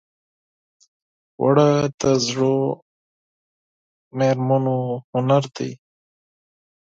اوړه د زړو مېرمنو هنر دی